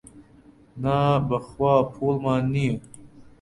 نا بەخوا پووڵمان نییە.